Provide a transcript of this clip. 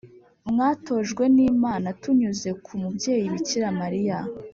mwatojwen’ imana tunyuze ku mubyeyi bikira mariya